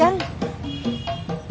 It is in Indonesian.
kamu enggak salah apa apa